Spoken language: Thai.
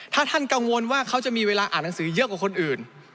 ถ้าท่านกังวลว่าเขาจะมีเวลาอ่านหนังสือเยอะกว่าคนอื่น